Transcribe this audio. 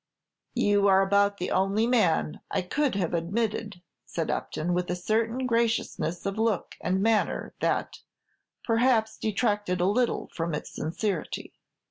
"You are about the only man I could have admitted," said Upton, with a certain graciousness of look and manner that, perhaps, detracted a little from its sincerity.